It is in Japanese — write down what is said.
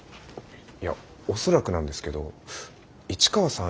いや恐らくなんですけど市川さん